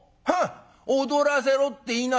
『踊らせろ』って言いなさい。